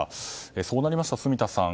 そうなりますと、住田さん